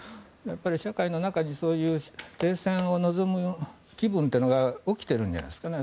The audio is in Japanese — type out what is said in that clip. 社会の中に、そういう停戦を望む気分というのが起きているんじゃないですかね。